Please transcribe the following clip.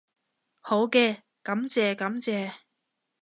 好嘅，感謝感謝